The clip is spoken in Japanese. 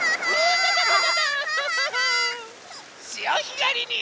しおひがりに。